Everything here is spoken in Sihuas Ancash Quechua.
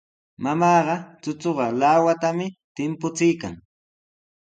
Mamaaqa chuchuqa lawatami timpuchiykan.